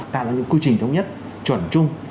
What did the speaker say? tạo ra những quy trình thống nhất chuẩn trung